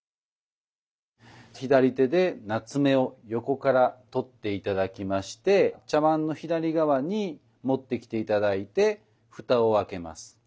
左手で棗を横から取って頂きまして茶碗の左側に持ってきて頂いて蓋を開けます。